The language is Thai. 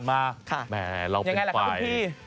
แม่เราไปไปจริงปะครับคุณพี่